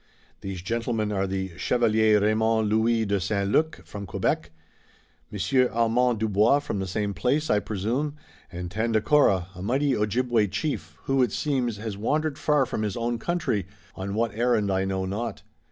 "These gentlemen are the Chevalier Raymond Louis de St. Luc, from Quebec, Monsieur Armand Dubois, from the same place, I presume, and Tandakora, a mighty Ojibway chief, who, it seems, has wandered far from his own country, on what errand I know not.